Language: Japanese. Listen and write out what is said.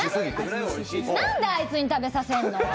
なんで、あいつに食べさせるの！